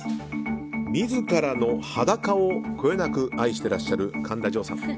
自らの裸をこよなく愛していらっしゃる神田穣さん。